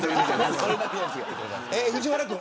藤原君